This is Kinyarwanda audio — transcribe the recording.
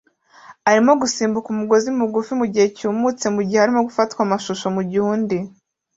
arimo gusimbuka umusozi mugufi mugihe cyumutse mugihe arimo gufatwa amashusho mugihe undi